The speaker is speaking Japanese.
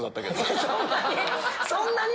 そんなに？